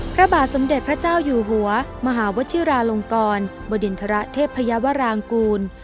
พระบาทสมเด็จพระเจ้าอยู่หัวมหาวชิราลงกรบดินทรเทพยาวรางกูล